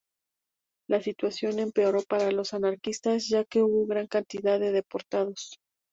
La situación empeoró para los anarquistas ya que hubo gran cantidad de deportados.